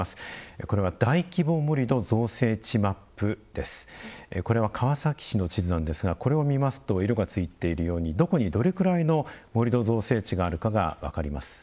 これは「大規模盛土造成地マップ」です。川崎市の地図ですが色がついているようにどこにどれくらいの盛土造成地があるかが分かります。